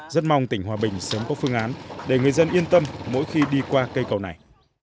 rất mong tỉnh hòa bình sớm có phương án để người dân yên tâm mỗi khi đi qua cây cầu này